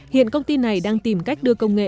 hiện công ty này đang tìm cách đưa công nghệ